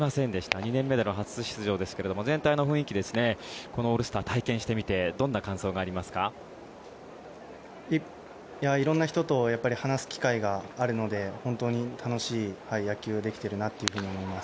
２年目での初出場ですが全体の雰囲気このオールスター体験してみて色んな人と話す機会があるので本当に楽しい野球をできているなと思います。